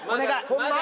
ホンマ？